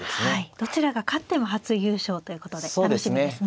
どちらが勝っても初優勝ということで楽しみですね。